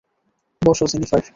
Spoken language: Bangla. বসো, জেনিফার।